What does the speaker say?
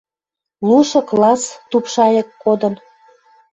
Лушы класс туп шайык кодын